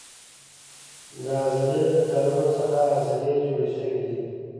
د عضلې له تارونو څخه عضلې جوړې شوې دي.